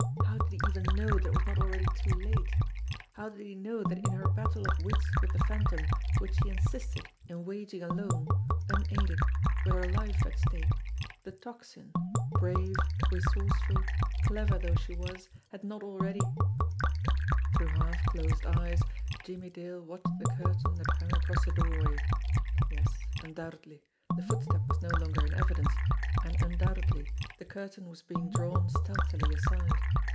How did he even know that it was not already too late ? How did he know that in her battle of wits with the Phantom which she insisted in waging alone, unaided, with her life at stake, the Tocsin, brave, resourceful, clever though she was, had not already Through half closed eyes Jimmie Dale watched the curtain that hung across the doorway. Yes, undoubtedly, the foot step was no longer in evidence, and undoubtedly the curtain was being drawn stealthily aside.